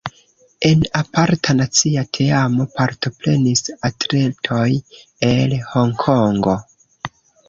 En aparta nacia teamo partoprenis atletoj el Honkongo.